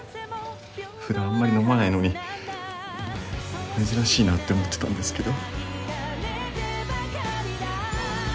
普段あんまり飲まないのに珍しいなって思ってたんですけど。